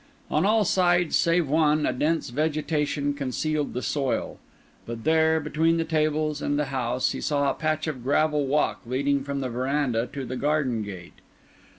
On all sides save one a dense vegetation concealed the soil; but there, between the tables and the house, he saw a patch of gravel walk leading from the verandah to the garden gate.